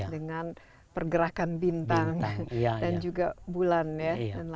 dengan pergerakan bintang dan juga bulan ya